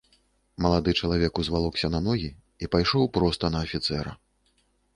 Малады чалавек узвалокся на ногі і пайшоў проста на афіцэра.